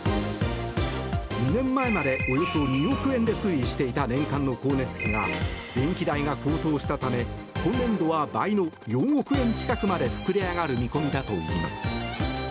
２年前までおよそ２億円で推移していた年間の光熱費が電気代が高騰したため今年度は倍の４億円近くまで膨れ上がる見込みだといいます。